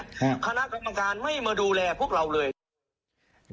คณะกรรมการไม่มาดูแลพวกเราเลย